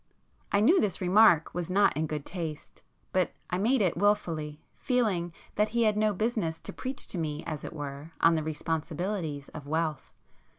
I knew this remark was not in good taste, but I made it wilfully, feeling that he had no business to preach to me as it were on the responsibilities of wealth.